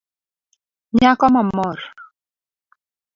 Nyako mamor